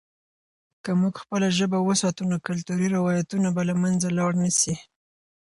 که موږ خپله ژبه وساتو، نو کلتوري روایتونه به له منځه لاړ نه سي.